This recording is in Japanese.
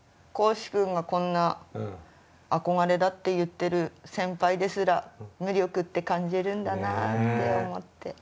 幸史くんがこんな憧れだって言ってる先輩ですら無力って感じるんだなって思って。